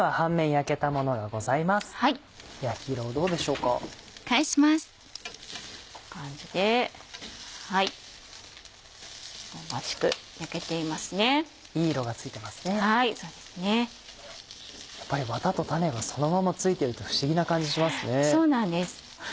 やっぱりワタと種はそのまま付いてると不思議な感じしますね。